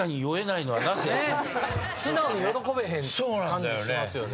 素直に喜べへん感じしますよね。